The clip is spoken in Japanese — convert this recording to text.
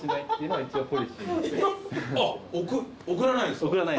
あっ送らないんですか？